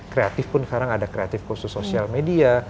kreatif pun sekarang ada kreatif khusus sosial media